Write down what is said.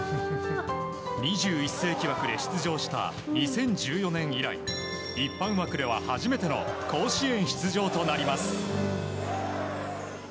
２１世紀枠で出場した２０１４年以来一般枠では初めての甲子園出場となります。